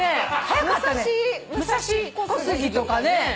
武蔵小杉とかね。